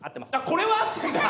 これは合ってんだ！？